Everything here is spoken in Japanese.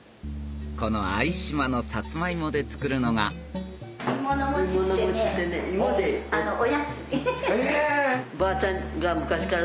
この相島のサツマイモで作るのがえ！